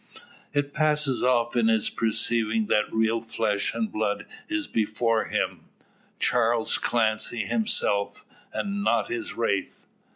It passes off on his perceiving that real flesh and blood is before him Charles Clancy himself, and not his wraith.